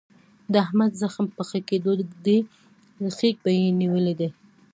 د احمد زخم په ښه کېدو دی. خیګ یې نیولی دی.